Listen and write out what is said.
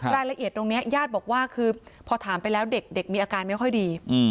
รายละเอียดตรงนี้ญาติบอกว่าคือพอถามไปแล้วเด็กมีอาการไม่ค่อยดี